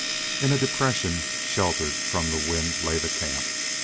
In a depression sheltered from the wind lay the camp.